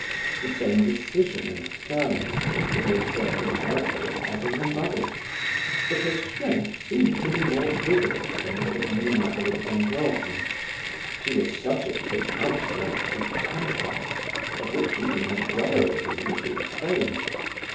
The same decision and firmness was to be observed in her face as in her mother's, but her strength seemed to be more vigorous than that of Nina Alexandrovna. She was subject to outbursts of temper, of which even her brother was a little afraid.